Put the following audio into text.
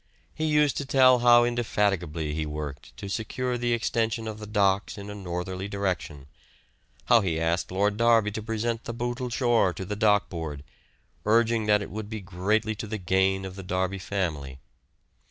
He used to tell how indefatigably he worked to secure the extension of the docks in a northerly direction, how he asked Lord Derby to present the Bootle shore to the Dock Board, urging that it would be greatly to the gain of the Derby family.